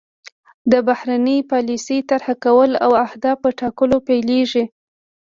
د بهرنۍ پالیسۍ طرح کول د اهدافو په ټاکلو پیلیږي